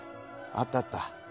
あったあった！